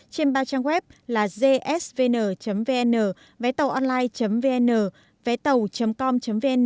trên ba trang web là gsvn vn vétauonline vn vétau com vn